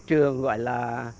trường gọi là